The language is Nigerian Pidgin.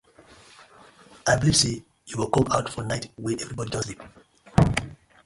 I belive say yu go com out for night wen everibodi don sleep.